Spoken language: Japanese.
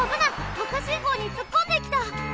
あか信号につっこんできた！